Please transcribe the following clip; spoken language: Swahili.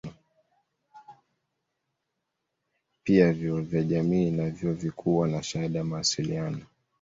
Pia vyuo vya jamii na vyuo vikuu huwa na shahada ya mawasiliano.